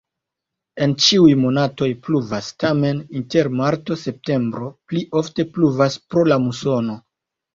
En ĉiuj monatoj pluvas, tamen inter marto-septembro pli ofte pluvas pro la musono.